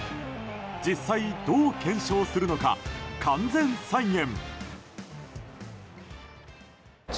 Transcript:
実際どう検証するのか完全再現！